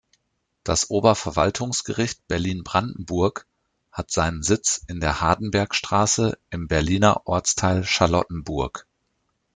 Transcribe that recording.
Das Oberverwaltungsgericht Berlin-Brandenburg hat seinen Sitz in der Hardenbergstraße im Berliner Ortsteil Charlottenburg.